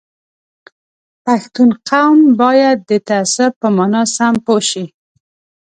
پښتون قوم باید د تعصب په مانا سم پوه شي